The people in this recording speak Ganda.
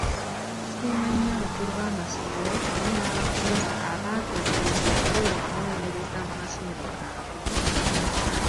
Tusiima nnyo abakulu b'amasomero wamu n'abasomesa abaatukkiriza okukola okunoonyereza mu masomero gaabwe.